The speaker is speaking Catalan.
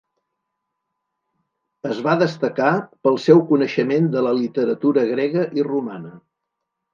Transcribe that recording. Es va destacar pel seu coneixement de la literatura grega i romana.